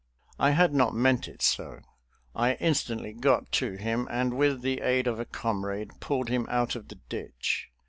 I had not meant it so. I instantly got to him and, with the aid of a comrade, pulled him out of the ditch.